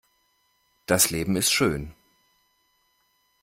Das Leben ist schön!